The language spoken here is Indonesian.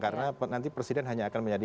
karena nanti presiden hanya akan menjadi